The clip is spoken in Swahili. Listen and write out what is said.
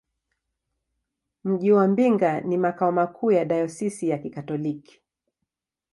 Mji wa Mbinga ni makao makuu ya dayosisi ya Kikatoliki.